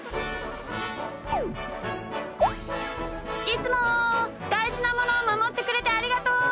いつもだいじなものをまもってくれてありがとう！